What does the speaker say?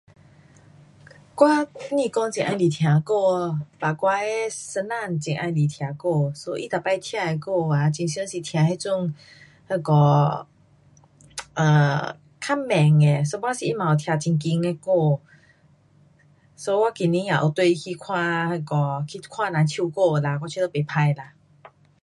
我不讲很喜欢听歌，but 我的先生很喜欢听歌，他每次听的歌啊，很常是听那种，那个 um 较慢的，有半时他也有听很快的歌。so 我今年也有跟他去看那个，去看人唱歌啦。我觉得不错啦。